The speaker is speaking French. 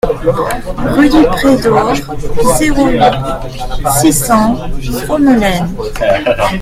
Rue du Pré d'Haurs, zéro huit, six cents Fromelennes